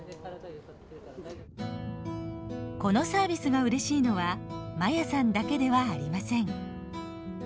このサービスがうれしいのはまやさんだけではありません。